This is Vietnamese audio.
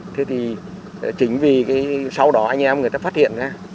thế thì chính vì sau đó anh em người ta phát hiện ra